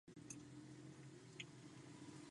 En esta región se explotó comercialmente minas de azufre.